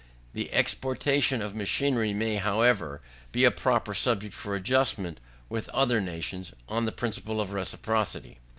The exportation of machinery may, however, be a proper subject for adjustment with other nations, on the principle of reciprocity.